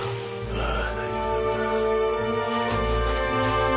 ああ。